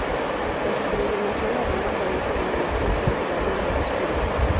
Tras su peregrinación a Roma, fallece en Dinamarca, y fue enterrado en Roskilde.